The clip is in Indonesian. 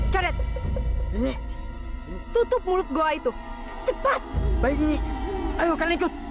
karet ini tutup mulut gua itu cepat baik ini ayo kalian ikut